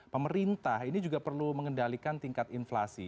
pemerintah ini juga perlu mengendalikan tingkat inflasi